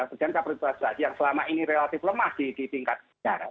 sebenarnya partisipasi yang selama ini relatif lemah di tingkat daerah